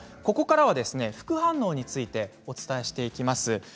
ここからは副反応についてお伝えしていきます。